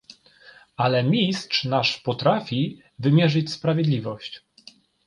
"Ale Mistrz nasz potrafi wymierzyć sprawiedliwość."